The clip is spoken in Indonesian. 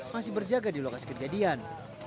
masih berjaga di lokasi kejadian